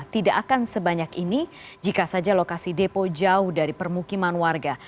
tidak akan sebanyak ini jika saja lokasi depo jauh dari permukiman warga